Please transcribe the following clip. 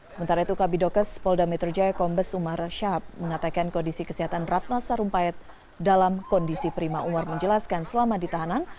sementara itu kabit dokes spolda metro jaya kombes umar syahab mengatakan kondisi kesehatan ratna sarumpahit dalam kondisi prima umur menjelaskan selama ditahanan